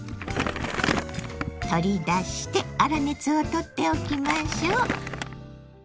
取り出して粗熱をとっておきましょう。